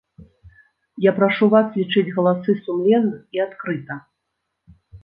Я прашу вас лічыць галасы сумленна і адкрыта.